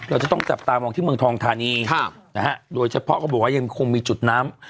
เราจะต้องจับตามองที่เมืองทองธานีนะฮะโดยเฉพาะเขาบอกว่ายังคงมีจุดน้ำ